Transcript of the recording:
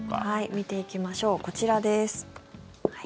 見ていきましょうこちらです。